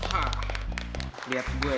hah lihat gue